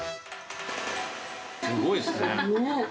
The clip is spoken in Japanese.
すごいですね。